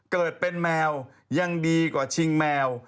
เกิดเป็นแมวยังดีกว่าชิงแมว